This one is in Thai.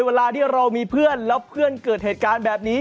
เวลาที่เรามีเพื่อนแล้วเพื่อนเกิดเหตุการณ์แบบนี้